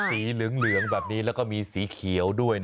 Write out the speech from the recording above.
สีเหลืองแบบนี้แล้วก็มีสีเขียวด้วย